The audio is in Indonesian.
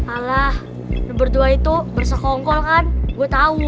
ala lo berdua itu bersokongkol kan gue tau